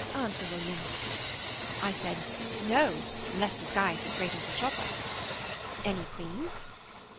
Answer, William.' I said No, unless disguised as Great uncle Chopper. 'Any queen?